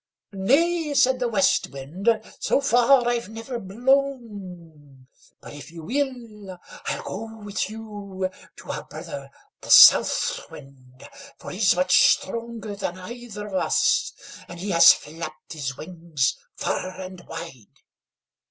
"Nay," said the West Wind, "so far I've never blown; but if you will, I'll go with you to our brother the South Wind, for he's much stronger than either of us, and he has flapped his wings far and wide.